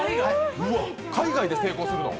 海外で成功するの？